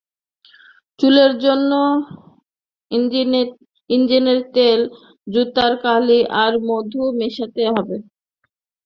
চুলের জন্য, ইঞ্জিনের তেল, জুতার কালি আর মধু মেশাতে হবে।